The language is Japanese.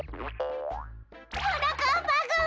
はなかっぱくん！